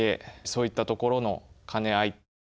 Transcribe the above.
そういったところのかね合い。